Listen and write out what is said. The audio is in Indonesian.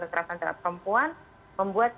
keterasan terhadap perempuan membuat